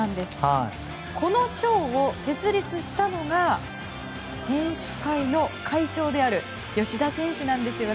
この賞を設立したのが選手会の会長である吉田選手なんですよね。